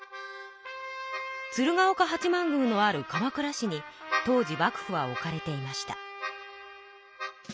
鶴岡八幡宮のある鎌倉市に当時幕府は置かれていました。